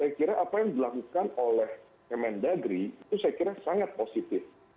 saya kira apa yang dilakukan oleh kemendagri itu saya kira sangat positif